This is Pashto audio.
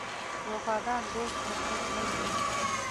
د وفادار دوست ارزښت لوی دی.